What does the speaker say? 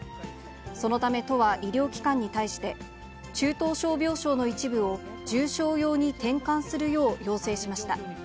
そのため都は、医療機関に対して、中等症病床の一部を、重症用に転換するよう要請しました。